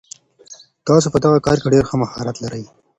تاسو په دغه کار کي ډېر ښه مهارت لرئ.